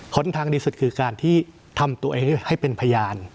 ทางดีสุดคือการที่ทำตัวเองให้เป็นพยาน